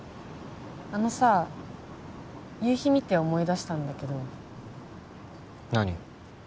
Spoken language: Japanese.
あのさ夕日見て思い出したんだけど何？